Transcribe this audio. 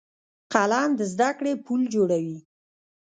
قلم د زده کړې پل جوړوي